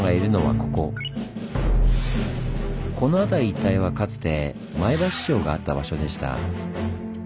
この辺り一帯はかつて前橋城があった場所でした。